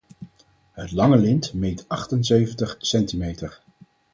Het lange lint meet achtenzeventig centimeter.